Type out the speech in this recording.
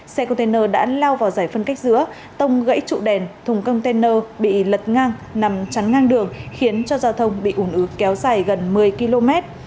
xe container đã lao vào giải phân cách giữa tông gãy trụ đèn thùng container bị lật ngang nằm chắn ngang đường khiến cho giao thông bị ủn ứ kéo dài gần một mươi km